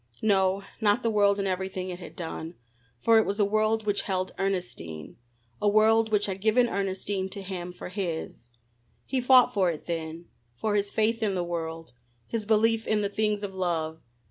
No, not the world and everything it had done, for it was a world which held Ernestine, a world which had given Ernestine to him for his. He fought for it then: for his faith in the world, his belief in the things of love.